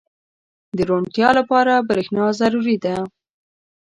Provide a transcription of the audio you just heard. • د روڼتیا لپاره برېښنا ضروري ده.